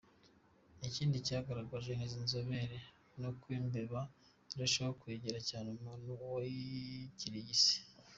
Ikindi cyagaragajwe n’izi nzobere ni uko imbeba irushaho kwegera cyane umuntu wayikirigise.